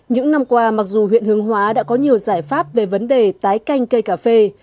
những năm qua mặc dù huyện hướng hóa đã có nhiều giải pháp về vấn đề tái canh cây cà phê